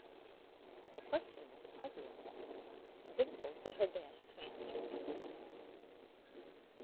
" The question was a puzzling one, but Dim ples did her best to answer it truthfully.